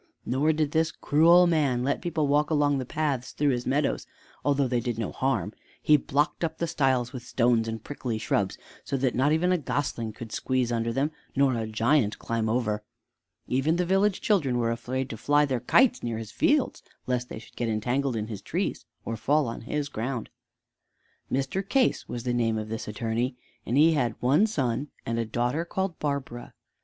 Nor did this cruel man let people walk along the paths through his meadows, although they did no harm. He blocked up the stiles with stones and prickly shrubs, so that not even a gosling could squeeze under them nor a giant climb over. Even the village children were afraid to fly their kites near his fields, lest they should get entangled in his trees or fall on his ground. Mr. Case was the name of this attorney, and he had one son and a daughter called Barbara.